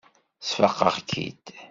Sfaqeɣ-k-id.